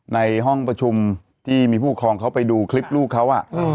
ในห้องประชุมที่มีผู้ปกครองเขาไปดูคลิปลูกเขา